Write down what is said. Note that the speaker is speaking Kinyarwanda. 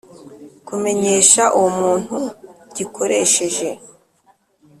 Kumenyesha uwo muntu gikoresheje